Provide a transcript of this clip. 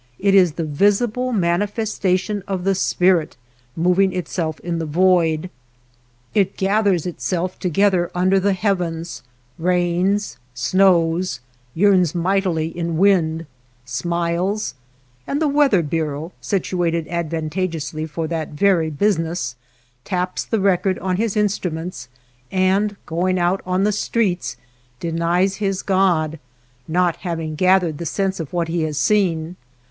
It is Jhe visible manifestation of the Spirit mov ing itself in the void. It gathers itself to gether under the heavens ; rains, snows, yearns mightily in wind, smiles ; and the Weather Bureau, situated advantageously for that very business, taps the record on his instruments and going out on the streets denies his God, not having gathered the sense of what he has seen.